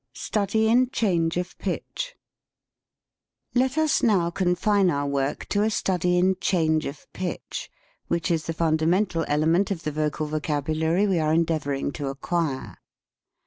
II STUDY IN CHANGE OF PITCH I ET us now confine our work to a study in L* change of pitch, which is the fundamental element of the vocal vocabulary we are en deavoring to acquire.